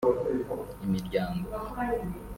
imiryango